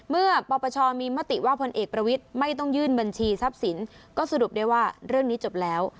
ปปชมีมติว่าพลเอกประวิทย์ไม่ต้องยื่นบัญชีทรัพย์สินก็สรุปได้ว่าเรื่องนี้จบแล้ว